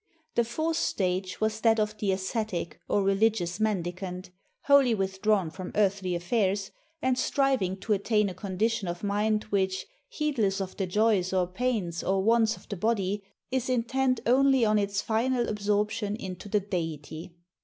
The fourth stage was that of the ascetic or religious mendicant, wholly withdrawn from earthly affairs, and striving to attain a condition of mind which, heedless of the joys or pains or wants of the body, is intent only on its final absorption into the deity.